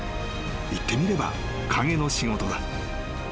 言ってみれば陰の仕事だ］